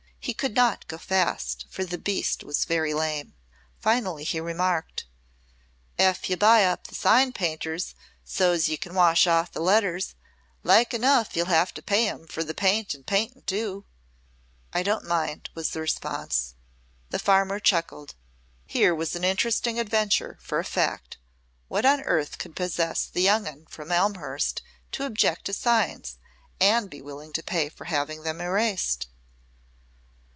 He could not go fast, for the beast was very lame. Finally he remarked: "Ef ye buy up the sign painters, so's ye can wash off the letters, like enough ye'll hev to pay him fer th' paint an' paintin', too." "I don't mind," was the response. The farmer chuckled. Here was an interesting adventure, for a fact. What on earth could possess the "young 'un" from Elmhurst to object to signs, and be willing to pay for having them erased?